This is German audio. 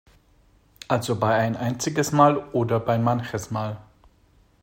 Also bei ein einziges Mal oder bei manches Mal.